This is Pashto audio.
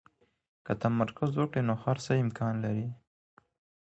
که تمرکز وکړئ، نو هر څه امکان لري.